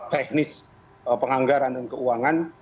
teknis penganggaran dan keuangan